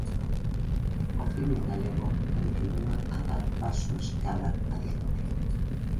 O filme galego continúa a dar pasos cara adiante.